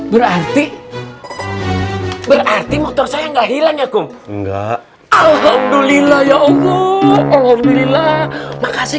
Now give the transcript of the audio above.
berarti berarti motor saya nggak hilang ya kum nggak alhamdulillah ya allah alhamdulillah makasih